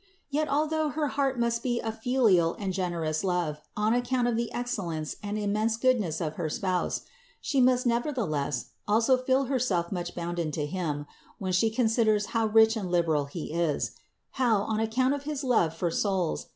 Yet although her heart must be a filial and generous love on account of the excellence and immense goodness of her Spouse, she must nevertheless also feel herself much bounden to Him, when she considers how rich and liberal He is; how, on account of his love for souls.